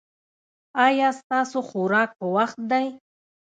ایا ستاسو خوراک په وخت دی؟